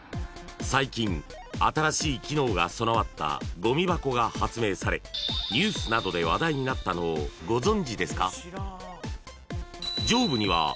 ［最近新しい機能が備わったごみ箱が発明されニュースなどで話題になったのをご存じですか？］